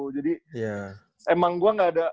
jadi emang gue ga ada